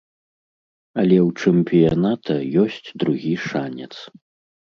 Але ў чэмпіяната ёсць другі шанец.